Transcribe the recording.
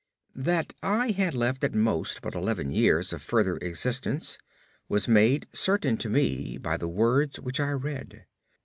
That I had left at most but eleven years of further existence was made certain to me by the words which I read.